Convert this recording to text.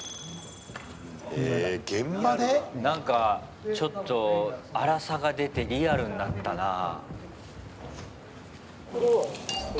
なんか、ちょっとあらさが出てリアルになったなぁ。